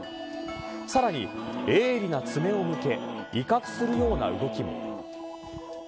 さらに鋭利な爪を向け威嚇するような動きも。